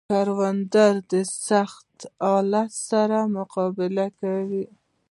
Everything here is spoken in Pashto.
کروندګر د سختو حالاتو سره مقابله کوي